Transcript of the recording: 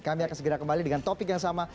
kami akan segera kembali dengan topik yang sama